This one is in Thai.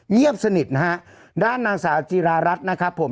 เงียบสนิทนะฮะด้านนางสาวจิรารัฐนะครับผม